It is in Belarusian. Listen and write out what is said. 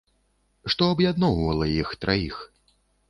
Што аб'ядноўвала іх траіх?